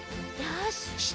よし。